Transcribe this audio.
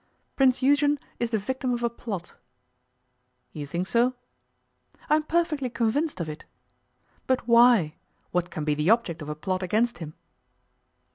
'Prince Eugen is the victim of a plot.' 'You think so?' 'I am perfectly convinced of it.' 'But why? What can be the object of a plot against him?